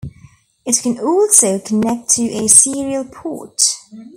It can also connect to a serial port.